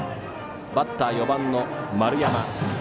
バッター、４番の丸山。